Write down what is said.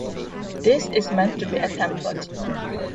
this is meant to be a template